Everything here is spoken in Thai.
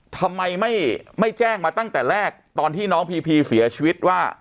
ทำไมไม่แจ้งมาตั้งแต่แรกตอนที่น้องพีพีเสียชีวิตว่า